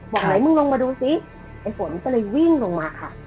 บอกไหนมึงลงมาดูซิไอ้ฝนก็เลยวิ่งลงมาค่ะ